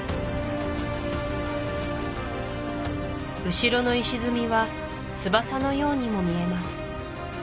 後ろの石積みは翼のようにも見えます